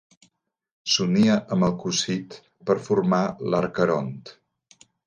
S'unia amb el Cocit per formar l'Aqueront.